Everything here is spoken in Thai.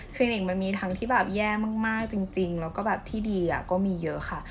คือนิ่งมันมีทั้งที่แบบแย่มากจริงแล้วก็แบบที่ดีก็มีเยอะค่ะ